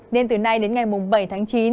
đêm từ nay đến ngày bảy tháng chín